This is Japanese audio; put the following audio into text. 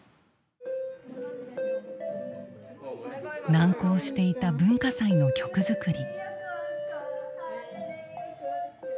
難航していた文化祭の曲作り。